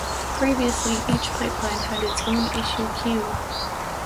Previously each pipeline had its own issue queue.